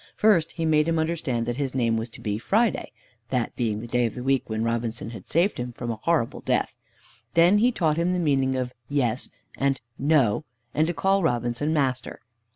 First he made him understand that his name was to be "Friday" (that being the day of the week when Robinson had saved him from a horrible death). Then he taught him the meaning of "Yes," and "No," and to call Robinson "Master."